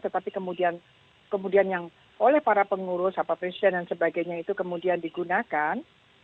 tetapi kemudian yang oleh para pengurus apa presiden dan sebagainya itu kemudian digunakan